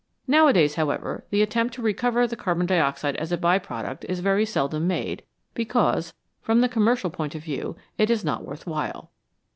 Nowadays, how ever, the attempt to recover the carbon dioxide as a by product is very seldom made, because, from the com mercial point of view, it is not worth while.